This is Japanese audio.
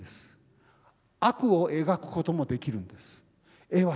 悪を描くこともできるんです。